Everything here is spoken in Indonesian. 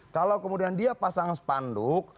kalau kemudian dia pasang spanduk